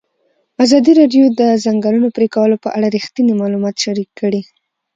ازادي راډیو د د ځنګلونو پرېکول په اړه رښتیني معلومات شریک کړي.